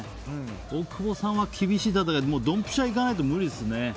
大久保さんは厳しいドンピシャいかないと無理ですね。